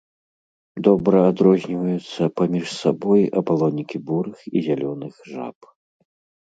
Добра адрозніваюцца паміж сабой апалонікі бурых і зялёных жаб.